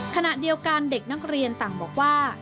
ขณะเดียวกันเด็กนักเรียนต่างบอกว่า